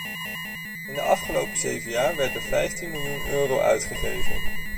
In de afgelopen zeven jaar werd er vijftien miljoen euro uitgegeven.